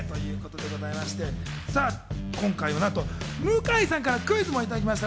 今回は向井さんからクイズもいただきました。